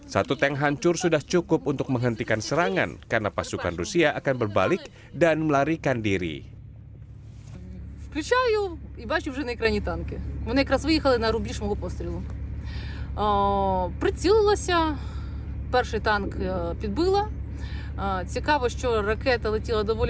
satu tank hancur sudah cukup untuk menghentikan serangan karena pasukan rusia akan berbalik dan melarikan diri